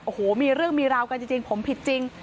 โอ้โหมีเรื่องมีราวกันจริงผมผิดจริง